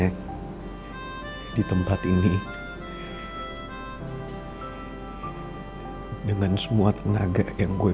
tapi tetep aja dia ngacangin gue